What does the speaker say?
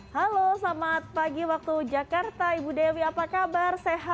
halo selamat pagi waktu jakarta ibu dewi apa kabar sehat